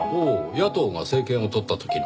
野党が政権を取った時の。